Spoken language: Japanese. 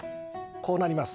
こうなります。